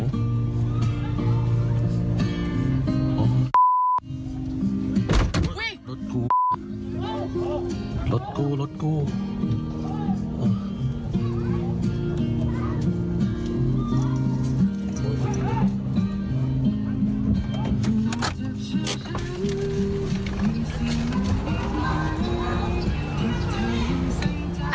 อุ๊ยรถกูปี๊บรถกูรถกูรถกูโอ้โฮปี๊บ